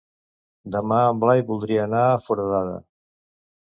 Demà en Blai voldria anar a Foradada.